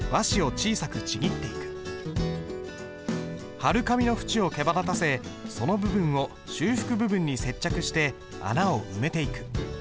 貼る紙の縁をけばだたせその部分を修復部分に接着して穴を埋めていく。